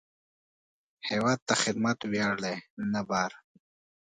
هیواد ته خدمت ویاړ دی، نه بار